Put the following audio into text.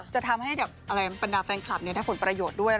จะทำให้บรรดาแฟนคลับได้ผลประโยชน์ด้วย